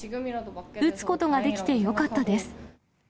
打つことができてよかったです。